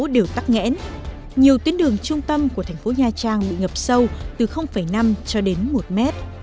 đều tắt nghẽn nhiều tuyến đường trung tâm của thành phố nha trang bị ngập sâu từ năm cho đến một mét